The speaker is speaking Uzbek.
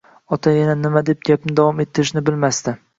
Ota yana nima deb gapni davom ettirishni bilmasdi